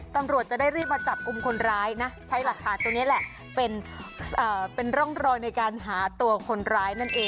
ตำรวจจะได้เรียกมาจัดอุมคนร้ายนะใช้หลักฐานตรงนี้แหละ